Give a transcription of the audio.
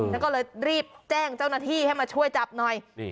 แล้วก็เลยรีบแจ้งเจ้าหน้าที่ให้มาช่วยจับหน่อย